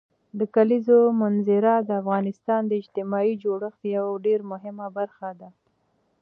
د کلیزو منظره د افغانستان د اجتماعي جوړښت یوه ډېره مهمه برخه ده.